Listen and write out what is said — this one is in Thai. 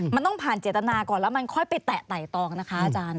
มันต้องผ่านเจตนาก่อนแล้วมันค่อยไปแตะไต่ตองนะคะอาจารย์